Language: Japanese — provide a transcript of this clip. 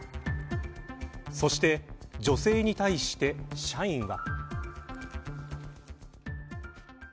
そして女性に対して社員は。